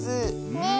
ねえ。